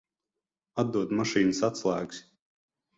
Atdod mašīnas atslēgas.